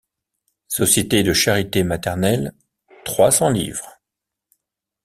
Sociétés de charité maternelle: trois cents livres.